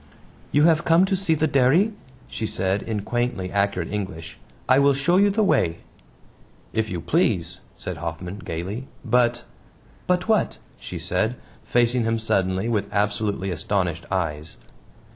"You have come to see the dairy," she said in quaintly accurate English; "I will show you the way." "If you please," said Hoffman, gaily, "but " "But what?" she said, facing him suddenly with absolutely astonished eyes.